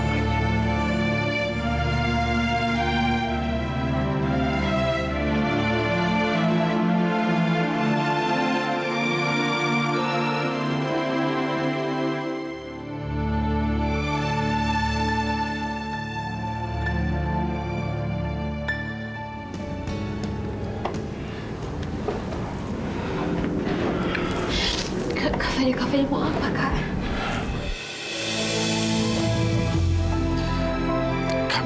iya kak fadil